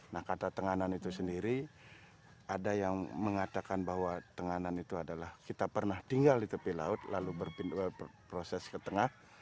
nah kata tenganan itu sendiri ada yang mengatakan bahwa tenganan itu adalah kita pernah tinggal di tepi laut lalu berproses ke tengah